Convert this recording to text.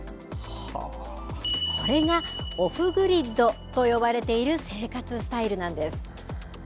これがオフグリッドと呼ばれている生活スタイルなんです。